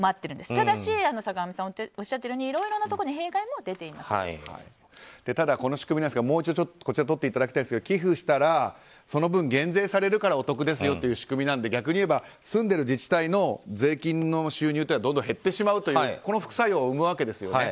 ただ坂上さんがおっしゃったようにいろいろなところにただ、この仕組みなんですが寄付したらその分減税されるからお得ですよという仕組みなので、逆に言えば住んでる自治体の収入がどんどん減ってしまう副作用を生むわけですよね。